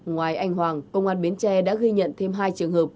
ngoài anh hoàng công an bến tre đã ghi nhận thêm hai trường hợp